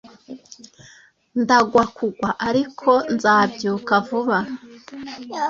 ndagwa kugwa ariko nzabyuka vuba